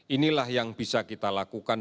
inilah yang bisa kita lakukan